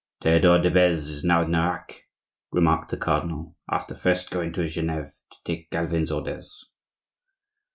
"Theodore de Beze is now at Nerac," remarked the cardinal, "after first going to Geneva to take Calvin's orders."